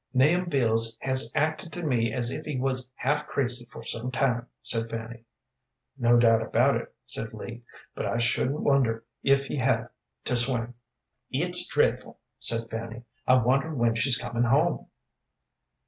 "Nahum Beals has acted to me as if he was half crazy for some time," said Fanny. "No doubt about it," said Lee; "but I shouldn't wonder if he had to swing." "It's dreadful," said Fanny. "I wonder when she's comin' home."